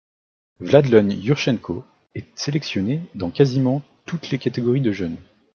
Vladlen Yurchenko est sélectionné dans quasiment toutes les catégories de jeunes.